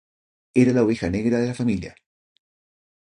Era la oveja negra de la familia.